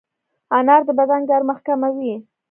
انار د بدن ګرمښت کموي.